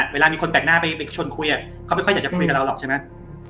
เวลามีคนแปลกหน้าไปชวนคุยเขาไม่ค่อยอยากจะคุยกับเราหรอกใช่ไหม